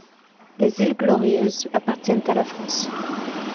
Les Îles Glorieuses appartiennent à la France.